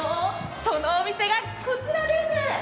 そのお店がこちらです。